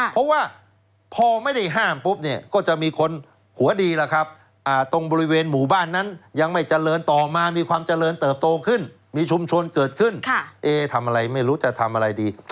เพราะว่าพอไม่ได้ห้ามปุ๊บเนี่ยก็จะมีคนหัวดีล่ะครับตรงบริเวณหมู่บ้านนั้นยังไม่เจริญต่อมามีความเจริญเติบโตขึ้นมีชุมชนเกิดขึ้นเอทำอะไรไม่รู้จะทำอะไรดี